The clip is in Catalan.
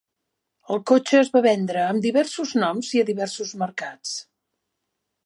El cotxe es va vendre amb diversos noms i a diversos mercats.